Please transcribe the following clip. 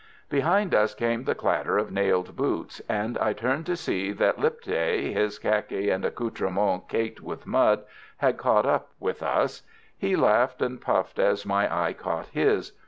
Behind us came the clatter of nailed boots, and I turned to see that Lipthay, his khaki and accoutrements caked with mud, had caught up with us. He laughed and puffed as my eye caught his.